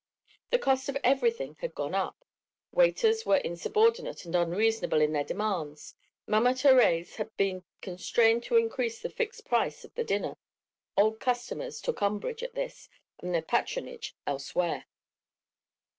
The cost of everything had gone up, waiters were insubordinate and unreasonable in their demands, Mama Thérèse had been constrained to increase the fixed price of the dinner, old customers took umbrage at this and their patronage elsewhere.